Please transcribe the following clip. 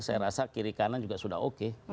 saya rasa kiri kanan juga sudah oke